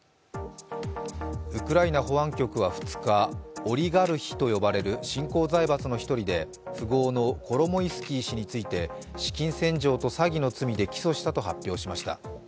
ウクライナ保安局は２日、オリガルヒと呼ばれる新興財閥の１人で富豪のコロモイスキー氏について資金洗浄と詐欺の罪で起訴したと発表しました。